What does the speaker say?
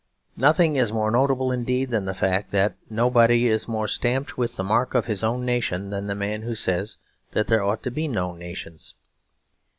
Nothing is more notable indeed than the fact that nobody is more stamped with the mark of his own nation than the man who says that there ought to be no nations.